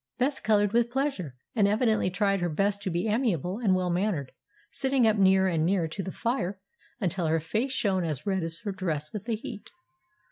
Bess coloured with pleasure, and evidently tried her best to be amiable and well mannered, sitting up nearer and nearer to the fire until her face shone as red as her dress with the heat.